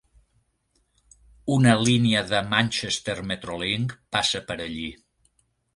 Una línia de Manchester Metrolink passa per allí.